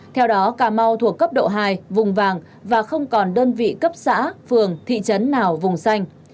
theo đó cà mau thuộc cấp độ hai vùng vàng và không còn đơn vị cấp xã phường thị trấn nào vùng xanh